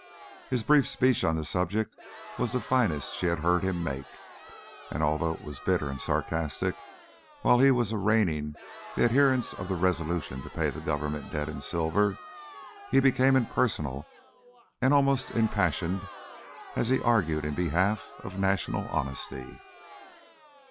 His brief speech on the subject was the finest she had heard him make, and although it was bitter and sarcastic while he was arraigning the adherents of the resolution to pay the government debt in silver, he became impersonal and almost impassioned as he argued in behalf of national honesty.